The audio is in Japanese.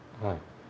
はい。